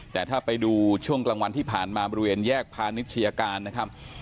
แต่ถ้าไปดูช่วงกลางวันที่ผ่านมาบริเวณแยกพาณิชยาการนะครับ